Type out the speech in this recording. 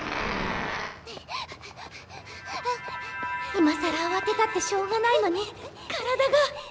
いまさらあわてたってしょうがないのに体が。